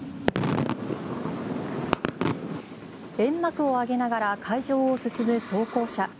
煙幕を上げながら海上を進む装甲車。